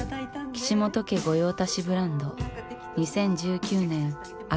岸本家御用達ブランド２０１９年秋